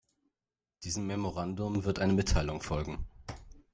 Diesem Memorandum wird eine Mitteilung folgen.